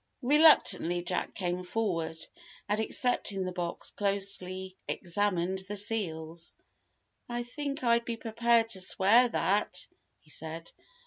Reluctantly Jack came forward, and accepting the box, closely examined the seals. "I think I'd be prepared to swear that," he said.